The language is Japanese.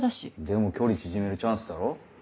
でも距離縮めるチャンスだろ？